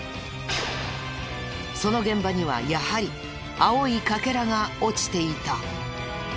その現場にはやはり青い欠片が落ちていた。